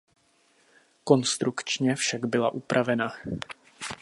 Konstrukčně však byla upravena.